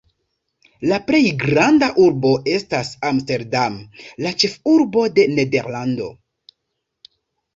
La plej granda urbo estas Amsterdam, la ĉefurbo de Nederlando.